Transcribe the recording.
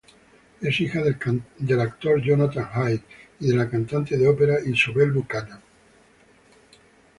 Es hija del actor Jonathan Hyde y de la cantante de ópera Isobel Buchanan.